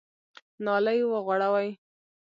نالۍ وغوړوئ !